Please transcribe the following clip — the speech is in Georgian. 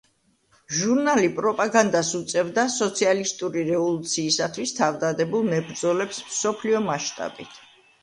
ჟურნალი პროპაგანდას უწევდა სოციალისტური რევოლუციისათვის თავდადებულ მებრძოლებს მსოფლიო მასშტაბით.